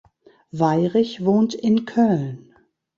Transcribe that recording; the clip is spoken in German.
Weyrich wohnt in Köln.